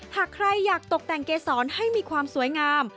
หากใครอยากตกแต่งเกษรให้มีความสวยงาม